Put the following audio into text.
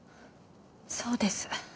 そうです。